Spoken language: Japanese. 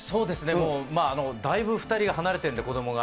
もう、だいぶ２人が離れてるんで、子どもが。